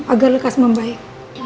agar lekas membaik